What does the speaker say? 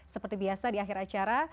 seperti biasa di akhir acara